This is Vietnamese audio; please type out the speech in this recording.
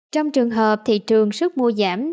trong trường hợp thị trường sức mua giảm